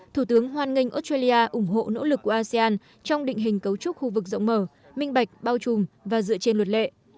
thủ tướng hoan nghênh australia ủng hộ nỗ lực của asean trong định hình cấu trúc khu vực rộng mở minh bạch bao trùm và dựa trên luật lệ